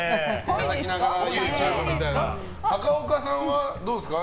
高岡さんは、どうですか？